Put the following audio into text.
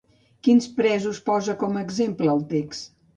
Quins presos posa com a exemple el text?